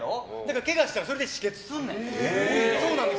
けがしたらそれで止血するねん。